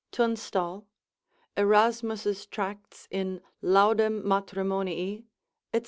Tunstall, Erasmus' tracts in laudem matrimonii &c.